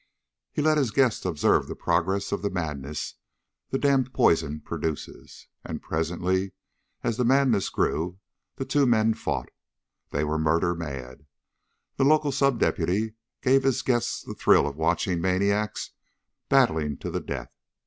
He let his guests observe the progress of the madness the damned poison produces. And presently, as the madness grew, the two men fought. They were murder mad. The local sub deputy gave his guests the thrill of watching maniacs battling to the death.